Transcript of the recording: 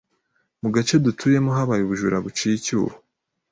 Mu gace dutuyemo habaye ubujura buciye icyuho.